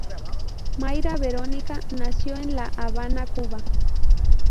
Mayra Verónica nació en la Habana, Cuba.